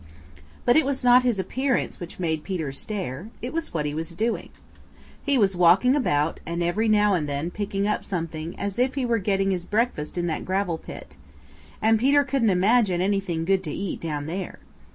But it was not his appearance which made Peter stare; it was what he was doing. He was walking about and every now and then picking up something quite as if he were getting his breakfast in that gravel pit, and Peter couldn't imagine anything good to eat down there.